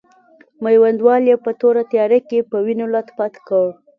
میوندوال یې په توره تیاره کې په وینو لت پت کړ.